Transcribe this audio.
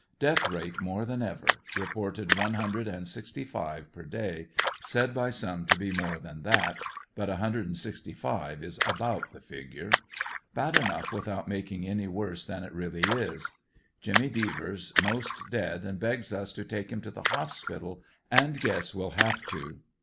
Death rate more than ever, reported one hundred and sixty live per day; said by some to be more than that, but 165 is about the figure Bad enough without making any worse than it really is. Jimmy Devers most dead and begs us to take him to the hospital and guess will have to.